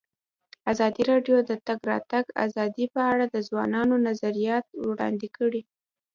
ازادي راډیو د د تګ راتګ ازادي په اړه د ځوانانو نظریات وړاندې کړي.